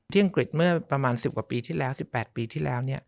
อังกฤษเมื่อประมาณ๑๐กว่าปีที่แล้ว๑๘ปีที่แล้ว